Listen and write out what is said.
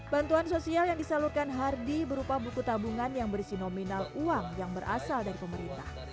bantuan sosial yang disalurkan hardy berupa buku tabungan yang berisi nominal uang yang berasal dari pemerintah